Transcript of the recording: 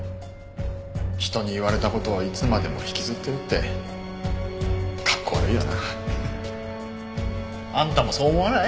人に言われた事をいつまでも引きずってるってかっこ悪いよな。あんたもそう思わない？